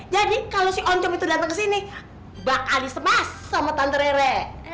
jadi kalau si oncom itu datang kesini bakal disebas sama tante rere